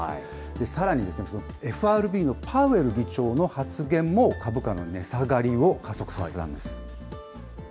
さらに、ＦＲＢのパウエル議長の発言も、株価の値下がりを加速させたんです。